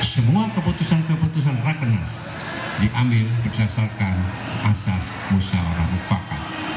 semua keputusan keputusan rakenas diambil berdasarkan asas musyawarah mufakat